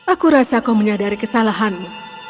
aku rasa kau menyadari kesalahanmu